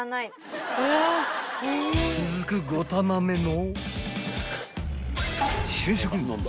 ［続く５玉目も］